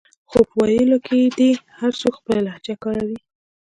خو په ویلو کې دې هر څوک خپله لهجه کاروي